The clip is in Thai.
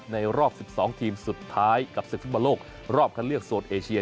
ในรอบ๑๒ทีมสุดท้ายกับเสียงฟุตบันโลกรอบคันเรียกโสดเอเชีย